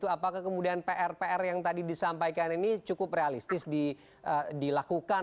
apakah kemudian pr pr yang tadi disampaikan ini cukup realistis dilakukan